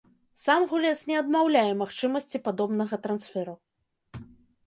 Сам гулец не адмаўляе магчымасці падобнага трансферу.